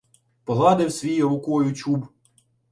Погладив свій рукою чуб: